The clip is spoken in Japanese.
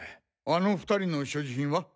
あの２人の所持品は？